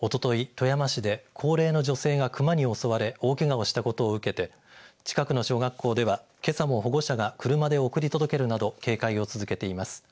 富山市で高齢の女性がクマに襲われ大けがをしたことを受けて近くの小学校ではけさも保護者が車で送り届けるなど警戒を続けています。